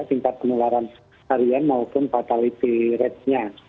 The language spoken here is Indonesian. tingkat penularan harian maupun fatality ratenya